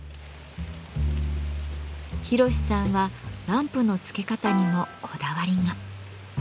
ヒロシさんはランプのつけ方にもこだわりが。